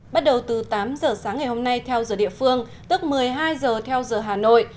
bắt đầu từ tám giờ sáng ngày hôm nay theo giờ địa phương tức một mươi hai giờ theo giờ hà nội